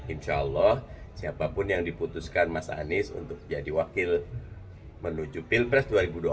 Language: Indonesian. insya allah siapapun yang diputuskan mas anies untuk jadi wakil menuju pilpres dua ribu dua puluh